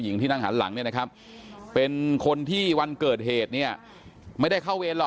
หญิงที่นั่งหันหลังนี่นะครับเป็นคนที่วันเกิดเหตุเนี่ยไม่ได้